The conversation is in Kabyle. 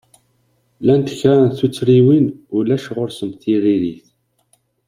Llant kra n tuttriwin ulac ɣur-sent tiririt.